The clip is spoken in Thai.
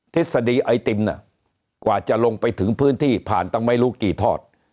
ทฤษฎีไอติมกว่าจะลงไปถึงพื้นที่ผ่านตั้งไม่รู้กี่ทอด